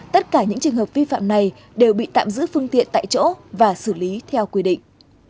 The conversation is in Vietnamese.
tất cả những trường hợp vi phạm này đều bị tạm giữ phương tiện tại chỗ và xử lý theo quy định